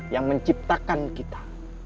yang menciptakan kita